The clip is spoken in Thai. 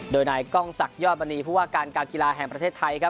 โดยนายกล้องศักดิยอดมณีผู้ว่าการการกีฬาแห่งประเทศไทยครับ